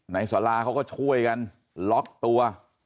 สาราเขาก็ช่วยกันล็อกตัว